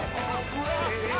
えっ！